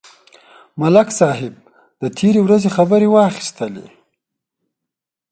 ملک صاحب د تېرې ورځې خبرې واخیستلې.